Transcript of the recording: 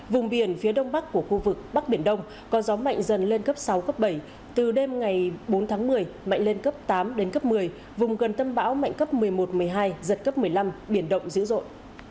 vùng biển phía đông bắc của khu vực bắc biển đông có gió mạnh dần lên cấp sáu cấp bảy từ đêm ngày bốn tháng một mươi mạnh lên cấp tám đến cấp một mươi vùng gần tâm bão mạnh cấp một mươi một một mươi hai giật cấp một mươi năm biển động dữ dội